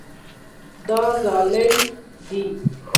دا ظلم دی.